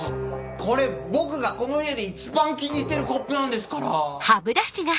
これ僕がこの家で一番気に入ってるコップなんですから。